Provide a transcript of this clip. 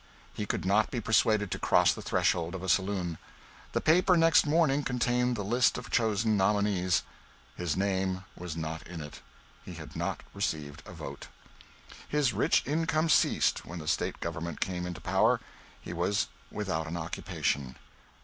He could not be persuaded to cross the threshold of a saloon. The paper next morning contained the list of chosen nominees. His name was not in it. He had not received a vote. His rich income ceased when the State government came into power. He was without an occupation.